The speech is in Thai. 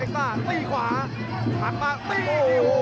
เอ็กต้าตีขวาหักมาตี